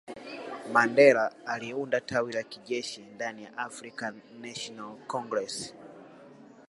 Mandela aliunda tawi la kijeshi ndaniya Afrikan national congress